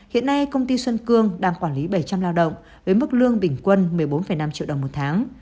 hiện nay công ty xuân cương đang quản lý bảy trăm linh lao động với mức lương bình quân một mươi bốn năm triệu đồng một tháng